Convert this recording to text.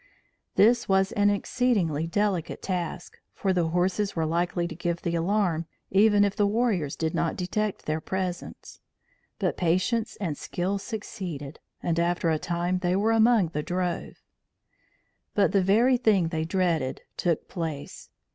This was an exceedingly delicate task, for the horses were likely to give the alarm, even if the warriors did not detect their presence; but patience and skill succeeded, and, after a time, they were among the drove. But the very thing they dreaded took place.